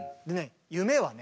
「夢」はね